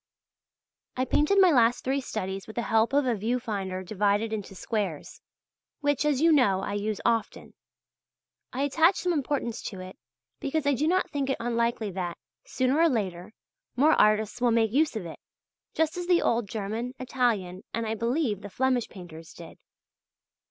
I painted my last three studies with the help of a view finder divided into squares{EE}, which, as you know, I often use. I attach some importance to it, because I do not think it unlikely that, sooner or later, more artists will make use of it, just as the old German, Italian, and, I believe, the Flemish painters did.